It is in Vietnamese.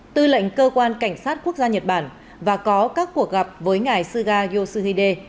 tư lệnh cơ quan cảnh sát quốc gia nhật bản và có các cuộc gặp với ngài suga yoshihide